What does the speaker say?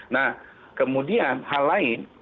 nah kemudian hal lain